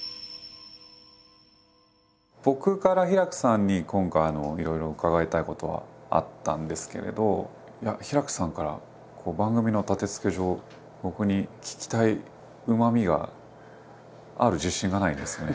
僕からヒラクさんに今回いろいろ伺いたいことはあったんですけれどヒラクさんから番組の立てつけ上僕に聞きたいうまみがある自信がないんですよね。